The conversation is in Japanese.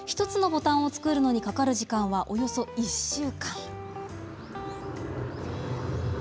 １つのボタンを作るのにかかる時間は、およそ１週間。